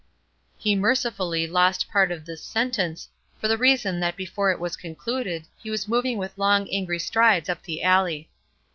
He mercifully lost part of this sentence, for the reason that before it was concluded he was moving with long, angry strides up the alley.